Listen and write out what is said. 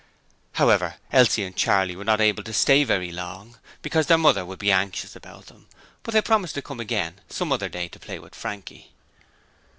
However, Elsie and Charley were not able to stay very long, because their mother would be anxious about them, but they promised to come again some other day to play with Frankie.